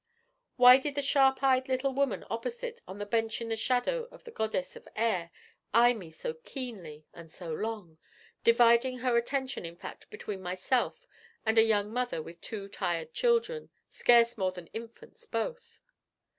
Why did the sharp eyed little woman opposite, on the bench in the shadow of the goddess of Air, eye me so keenly and so long, dividing her attention, in fact, between myself and a young mother with two tired children, scarce more than infants both?